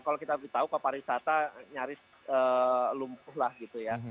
kalau kita tahu paparizata nyaris lumpuh lah gitu ya